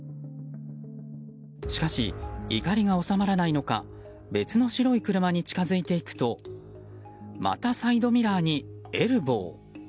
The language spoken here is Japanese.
しかし怒りが収まらないのか別の白い車に近づいていくとまたサイドミラーにエルボー。